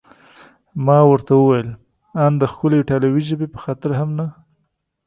ما ورته وویل: ان د ښکلې ایټالوي ژبې په خاطر هم نه؟